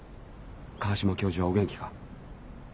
川島教授はお元気か？